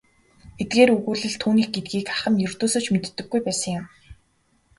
Эдгээр өгүүлэл түүнийх гэдгийг ах нь ердөөсөө ч мэддэггүй байсан юм.